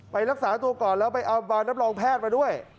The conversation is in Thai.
ไปรักษาตัวก่อนแล้วไปเอาบานรับรองแพทย์มาด้วย